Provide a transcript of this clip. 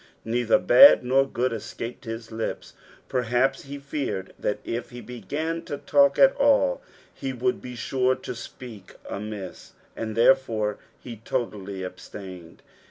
Neither bod nor good escaped his Ups. Perhaps lie feared that if ho began to lalk st all, he would be sure to speak amiss, and, therefore, he totally abstained.